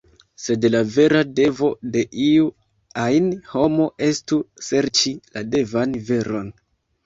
Sed la vera devo de iu ajn homo estu serĉi la devan veron.